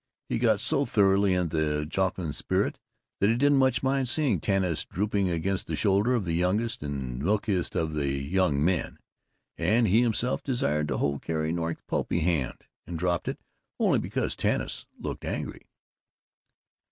He got so thoroughly into the jocund spirit that he didn't much mind seeing Tanis drooping against the shoulder of the youngest and milkiest of the young men, and he himself desired to hold Carrie Nork's pulpy hand, and dropped it only because Tanis looked angry.